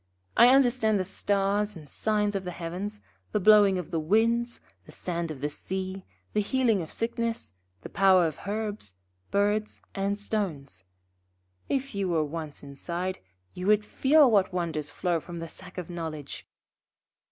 I understand the stars and signs of the heavens, the blowing of the winds, the sand of the sea, the healing of sickness, the power of herbs, birds, and stones. If you were once inside, you would feel what wonders flow from the Sack of Knowledge.'